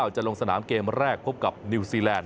จะลงสนามเกมแรกพบกับนิวซีแลนด